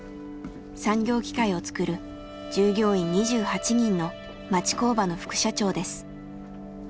産業機械を作る従業員２８人の町工場の副社長です。